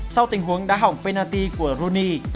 sau tình huống đá hỏng penalty của rooney